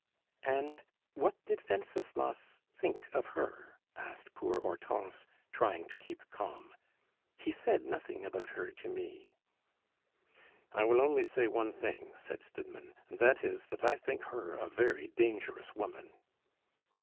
"And what did Wenceslas think of her?" asked poor Hortense, trying to keep calm. "He said nothing about her to me." "I will only say one thing," said Stidmann, "and that is, that I think her a very dangerous woman."